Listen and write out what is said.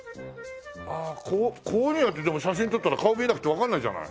こういうのやって写真撮ったら顔見えなくてわかんないじゃない。